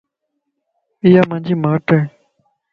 ايا مانجي ماٽ ائي